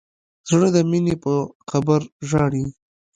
زړه د مینې په خبر ژاړي.